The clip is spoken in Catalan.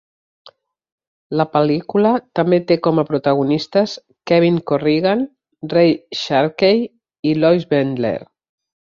La pel·lícula també té com a protagonistes Kevin Corrigan, Ray Sharkey i Lois Bendler.